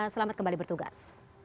selamat kembali bertugas